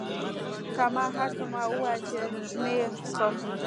که ما هرڅومره وویل چې نه یې څښم.